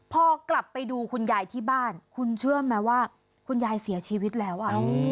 พอกลับไปดูคุณยายที่บ้านคุณเชื่อไหมว่าคุณยายเสียชีวิตแล้ว